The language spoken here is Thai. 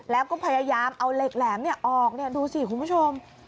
แล้วก็พยายามเอาเหล็กแหลมเนี่ยออกเนี่ยดูสิคุณผู้ชม